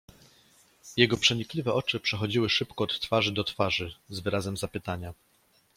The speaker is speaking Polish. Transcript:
"Jego przenikliwe oczy przechodziły szybko od twarzy do twarzy, z wyrazem zapytania."